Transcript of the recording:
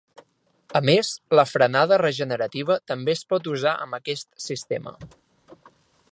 A més, la frenada regenerativa també es port usar amb aquest sistema.